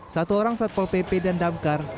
satu orang satpol pp dan damkar